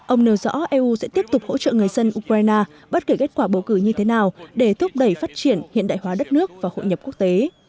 ông nêu rõ eu sẽ tiếp tục hỗ trợ người dân ukraine bất kể kết quả bầu cử như thế nào để thúc đẩy phát triển hiện đại hóa đất nước và hội nhập quốc tế